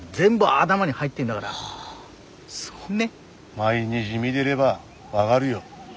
毎日見でれば分がるよ。